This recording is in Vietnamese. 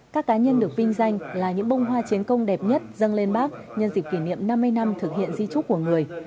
các cá nhân được vinh danh là những bông hoa chiến công đẹp nhất dâng lên bác nhân dịp kỷ niệm năm mươi năm thực hiện di trúc của người